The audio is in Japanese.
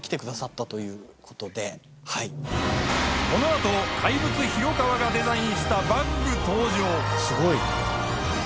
この後怪物廣川がデザインしたバッグ登場すごい。